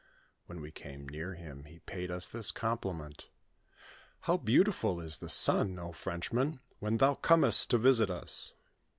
When we came near him, he paid us this compliment :" How beautiful is the sun, O Frenchman, when thou comest to visit us